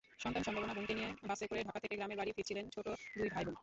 সন্তানসম্ভবা বোনকে নিয়ে বাসে করে ঢাকা থেকে গ্রামের বাড়ি ফিরছিলেন ছোট দুই ভাই-বোন।